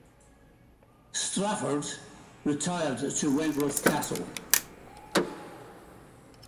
Strafford retired to Wentworth Castle.